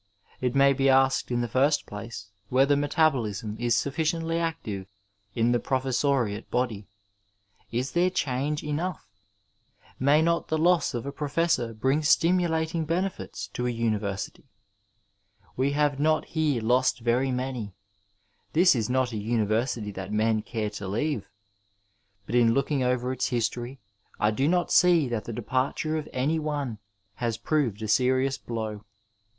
It may be asked in the first place, whether metabolism is sufficiently active in the professoriate body, is there change enough ? May not the loss of a pro fessor bring stimulating benefits to a university ? We have not here lost very many — ^this is not a university that men care to leave — ^but in looking over its history I do not see that the departure of any one has proved a serious blow.